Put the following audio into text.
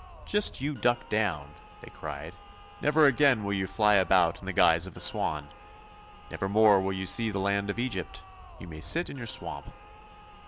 'Just you duck down,' they cried. 'Never again will you fly about in the guise of a swan; never more will you see the land of Egypt ; you may sit in your swamp.'